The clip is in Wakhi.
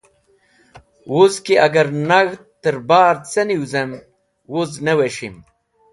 Wuz ki agar nag̃hd tẽr bar ce niwizem wuz ne wes̃him.